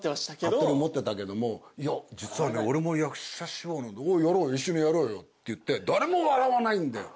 勝手に思ってたけども「実はね俺も役者志望なんだ」「一緒にやろうよ」って言って誰も笑わないんだよ。